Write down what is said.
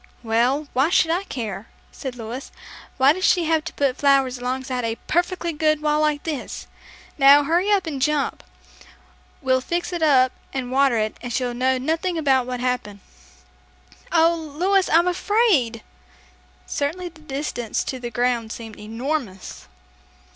"Well, why should I care?" said Louis. "Why did she have to put flowers alongside of a perfectly good wall like this? Now, hurry up and jump. We'll fix it up and water it, and she'll know nothing about what happened." "Oh, Louis, I'm afraid!" Certainly the distance to the ground seemed enormous!